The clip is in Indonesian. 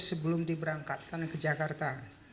sebelum diberangkatkan ke jakarta